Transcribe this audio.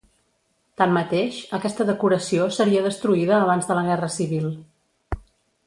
Tanmateix, aquesta decoració seria destruïda abans de la Guerra Civil.